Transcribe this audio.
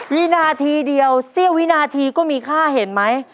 วินาทีเดียวเสี้ยววินาทีก็มีค่าเห็นไหม